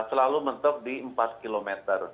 selalu mentok di empat km